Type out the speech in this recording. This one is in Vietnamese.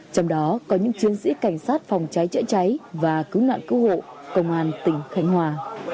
trong đó có những chiến sĩ cảnh sát phòng cháy chữa cháy và cứu nạn cứu hộ công an tỉnh khánh hòa